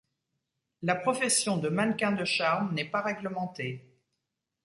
La profession de mannequin de charme n'est pas réglementée.